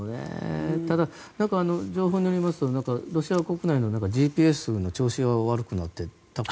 ただ、情報によりますとロシア国内のＧＰＳの調子が悪くなっていたと。